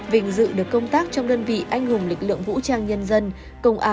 vinh dự được công tác trong đơn vị anh hùng lực lượng vũ trang nhân dân